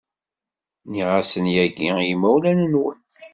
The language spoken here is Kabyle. Nniɣ-asen yagi i yimawlan-nwen.